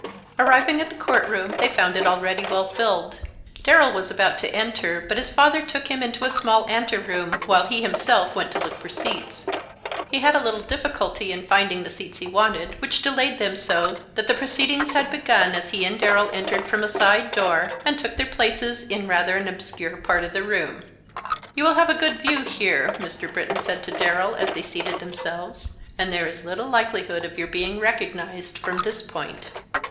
Arriving at the court room, they found it already well filled. Darrell was about to enter, but his father took him into a small anteroom, while he himself went to look for seats. He had a little difficulty in finding the seats he wanted, which delayed them so that proceedings had begun as he and Darrell entered from a side door and took their places in rather an obscure part of the room. "You will have a good view here," Mr. Britton said to Darrell, as they seated themselves, "and there is little likelihood of your being recognized from this point."